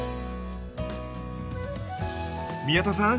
宮田さん